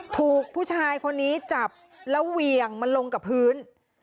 ถูกผู้ชายคนนี้จับแล้วเหวี่ยงมาลงกับพื้น